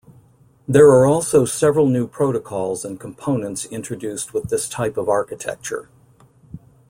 There are also several new protocols and components introduced with this type of architecture.